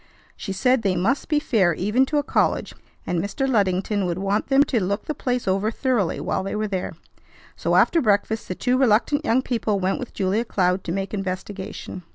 She said they must be fair even to a college, and Mr. Luddington would want them to look the place over thoroughly while they were there. So after breakfast the two reluctant young people went with Julia Cloud to make investigation.